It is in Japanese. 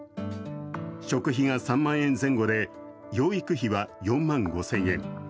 食費が３万円前後で養育費は４万５０００円。